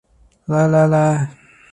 来来来